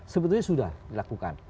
sebenarnya itu sudah dilakukan